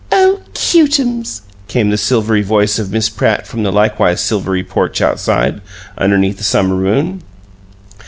"Oh, cute ums!" came the silvery voice of Miss Pratt from the likewise silvery porch outside, underneath the summer moon.